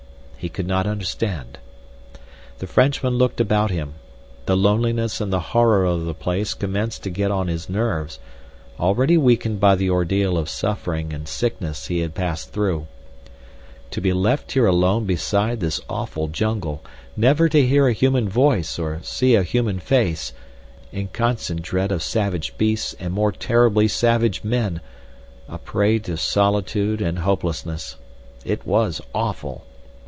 He could not understand. The Frenchman looked about him. The loneliness and the horror of the place commenced to get on his nerves—already weakened by the ordeal of suffering and sickness he had passed through. To be left here alone beside this awful jungle—never to hear a human voice or see a human face—in constant dread of savage beasts and more terribly savage men—a prey to solitude and hopelessness. It was awful.